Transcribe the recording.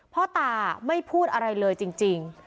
พ่อตาไม่พูดอะไรเลยจริง